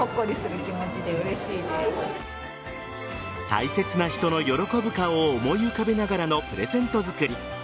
大切な人の喜ぶ顔を思い浮かべながらのプレゼント作り。